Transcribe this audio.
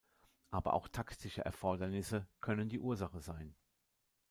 Aber auch taktische Erfordernisse können die Ursache sein.